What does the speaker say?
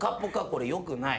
これよくない。